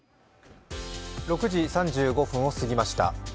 ６時３５分を過ぎました。